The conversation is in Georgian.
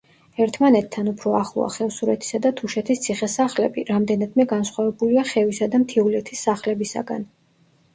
ერთმანეთთან უფრო ახლოა ხევსურეთისა და თუშეთის ციხე-სახლები, რამდენადმე განსხვავებულია ხევისა და მთიულეთის სახლებისაგან.